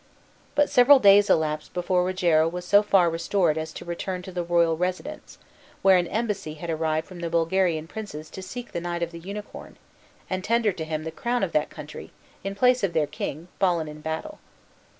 But several days elapsed before Rogero was so far restored as to return to the royal residence, where an embassy had arrived from the Bulgarian princes to seek the knight of the unicorn, and tender to him the crown of that country, in place of their king, fallen in battle.